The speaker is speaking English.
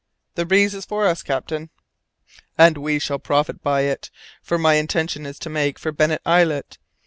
"The breeze is for us, captain." "And we shall profit by it, for my intention is to make for Bennet Islet.